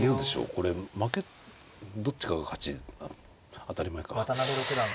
これ負けどっちかが勝ち当たり前か。